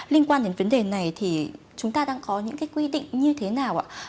linh quan đến vấn đề này thì chúng ta đang có những quy định như thế nào